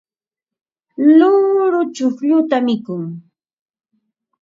luuru chuqlluta mikun.